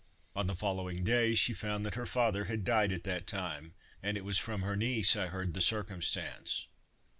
On the following day, she found that her father had died at that time; and it was from her niece I heard the circumstance.